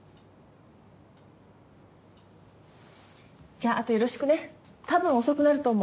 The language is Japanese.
じゃあとよろしくね多分遅くなると思う。